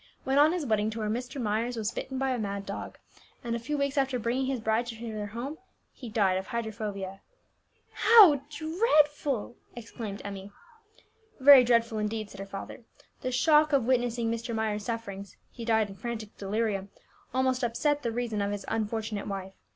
When on his wedding tour, Mr. Myers was bitten by a mad dog, and a few weeks after bringing his bride to their home he died of hydrophobia." "How dreadful!" exclaimed Emmie. "Very dreadful indeed," said her father. "The shock of witnessing Mr. Myers' sufferings (he died in frantic delirium) almost upset the reason of his unfortunate wife.